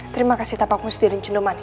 terima kasih tapakmu sendiri cundomani